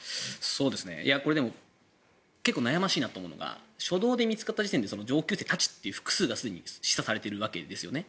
これ結構悩ましいなと思うのが初動で見つかった時点で上級生たちという、複数がすでに示唆されているわけですよね。